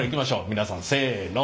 皆さんせの。